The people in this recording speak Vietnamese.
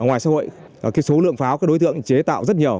ở ngoài xã hội số lượng pháo đối tượng chế tạo rất nhiều